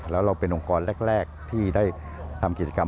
แล้วเราเป็นองค์กรแรกที่ได้ทำกิจกรรม